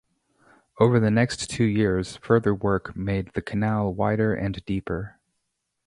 Over the next two years, further work made the canal wider and deeper.